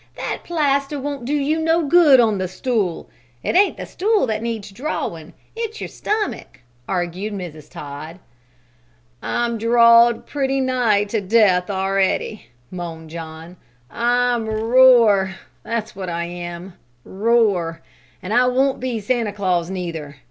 That plaster won't do you no good on the stool. It ain't the stool that needs drawin'; it's your stomach," argued Mrs. Todd. "I'm drawed pretty nigh to death a'ready," moaned John. "I'm rore, that's what I am, rore! An' I won't be Santa Claus neither.